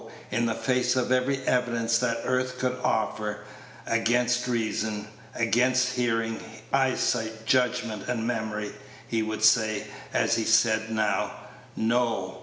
In the face of every evidence that earth could offer against reason, against hearing, eyesight, judgment, and memory he would say, as he said now, No!